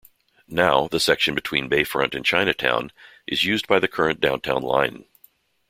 Now, the section between Bayfront and Chinatown is used by the current Downtown Line.